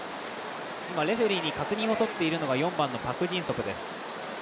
レフェリーに確認を取っているのが４番のパク・ジンソプです。